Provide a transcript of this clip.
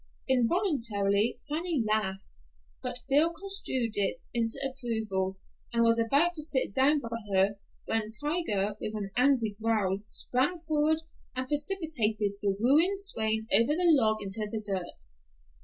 Involuntarily Fanny laughed, but Bill construed it into approval, and was about to sit down by her, when Tiger, with an angry growl, sprang forward and precipitated the wooing swain over the log into the dirt.